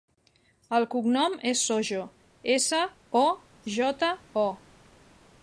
El cognom és Sojo: essa, o, jota, o.